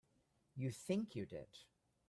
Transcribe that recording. You think you did.